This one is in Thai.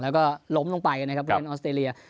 แล้วก็ล้มลงไปนะครับผู้เล่นออสเตรเลีย